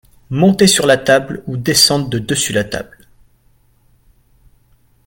monter sur la table ou descendre de dessus la table.